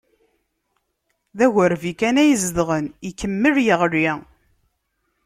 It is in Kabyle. D agerbi kan ay zedɣen, ikemmel yeɣli.